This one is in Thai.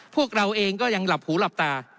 พวกเราเองก็ยังหลับหูหลับตา